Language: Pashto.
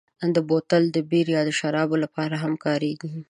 بوتل د بیر یا شرابو لپاره هم کارېږي.